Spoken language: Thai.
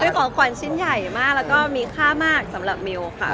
เป็นของขวัญชิ้นใหญ่มากแล้วก็มีค่ามากสำหรับมิวค่ะ